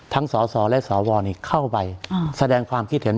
สสและสวเข้าไปแสดงความคิดเห็น